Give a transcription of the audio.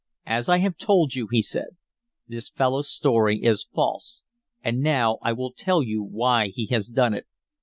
"As I have told you," he said, "this fellow's story is false. And now I will tell you why he has done it.